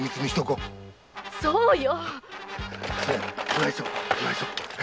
そうよ！